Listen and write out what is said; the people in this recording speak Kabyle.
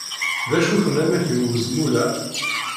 D acu-t unamek n wezmul-a?